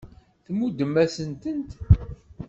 Tmuddem-asent-tent.